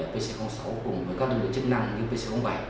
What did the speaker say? pc sáu cùng với các đối tượng chức năng như pc bảy